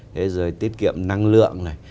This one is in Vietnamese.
thế rồi tiết kiệm năng lượng này